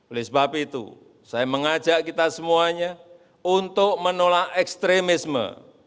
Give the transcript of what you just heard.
oleh sebab itu saya mengajak kita semuanya untuk menolak ekstremisme